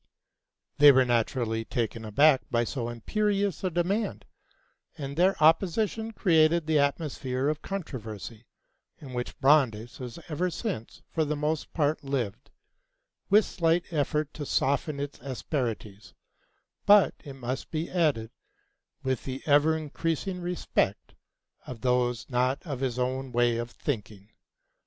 They were naturally taken aback by so imperious a demand, and their opposition created the atmosphere of controversy in which Brandes has ever since for the most part lived with slight effort to soften its asperities, but, it must be added, with the ever increasing respect of those not of his own way of thinking.